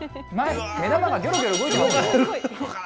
目玉がぎょろぎょろ動いてますよ。